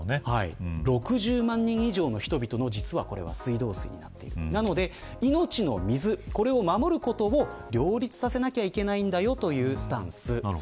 ６０万人以上の人々の水道水になっているので命の水を守ることを両立させなくてはいけないというスタンスです。